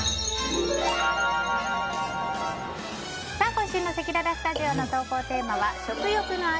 今週のせきららスタジオの投稿テーマは食欲の秋！